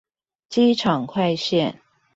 機場快線